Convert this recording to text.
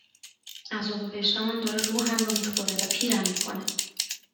عذاب وجدان داره روحم رو میخوره و پیرم میکنه